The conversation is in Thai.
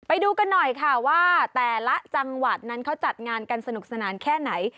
ไปดูกันหน่อยค่ะว่าแต่ละจังหวัดนั้นเขาจัดงานกันสนุกสนานแค่ไหน